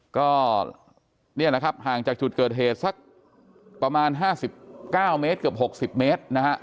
ก็เนี่ยนะครับห่างจากจุดเกิดเหตุสักประมาณห้าสิบเก้าเมตรเกือบหกสิบเมตรนะฮะ